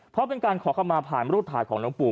เพราะเป็นการขอเข้ามาผ่านรูปถ่ายของน้องปู่